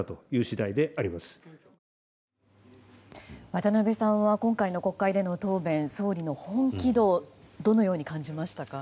渡辺さんは今回の国会での答弁で総理の本気度どのように感じましたか？